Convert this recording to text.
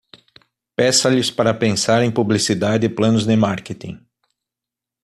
Peça-lhes para pensar em publicidade e planos de marketing